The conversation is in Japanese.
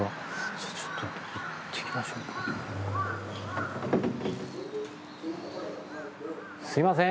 じゃあちょっと行ってきましょう。すみません。